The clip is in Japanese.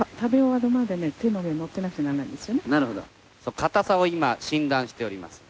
かたさを今診断しております。